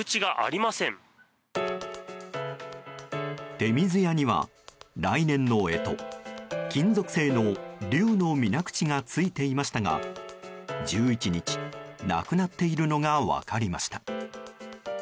手水舎には来年の干支金属製の龍の水口がついていましたが１１日、なくなっているのが分かりました。